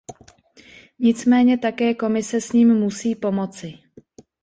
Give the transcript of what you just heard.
Nicméně také Komise s ním musí pomoci.